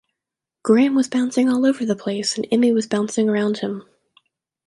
Gram was bouncing all over the place and Emmy was bouncing around him.